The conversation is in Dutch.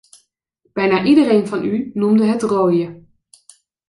Bijna iedereen van u noemde het rooien.